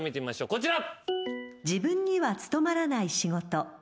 こちら。